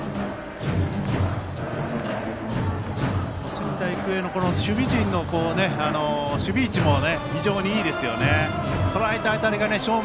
仙台育英の守備陣の守備位置も非常にいいですね。